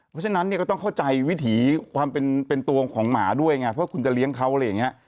เพราะฉะนั้นเนี่ยก็ต้องเข้าใจวิถีความเป็นตัวของหมาด้วยไงเพราะคุณจะเลี้ยงเขาอะไรอย่างนี้